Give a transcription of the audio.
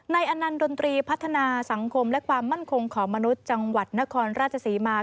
อนันต์ดนตรีพัฒนาสังคมและความมั่นคงของมนุษย์จังหวัดนครราชศรีมา